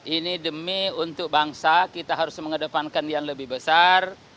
ini demi untuk bangsa kita harus mengedepankan yang lebih besar